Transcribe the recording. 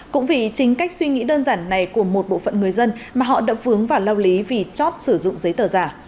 cũng vì chính cách suy nghĩ đơn giản này của một bộ phận người dân mà họ đã vướng vào lao lý vì chót sử dụng giấy tờ giả